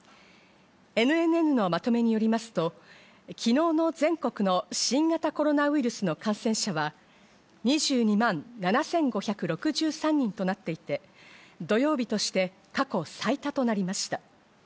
ＮＮＮのまとめによりますと、昨日の全国の新型コロナウイルスの感染者は、２２万７５６３人となっていて、土曜日として過去最多となりました。